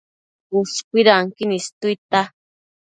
Ushcuidanquin istuidtia